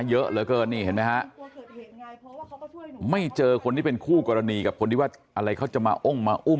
เยอะเหลือเกินนี่เห็นไหมฮะไม่เจอคนที่เป็นคู่กรณีกับคนที่ว่าอะไรเขาจะมาอ้งมาอุ้ม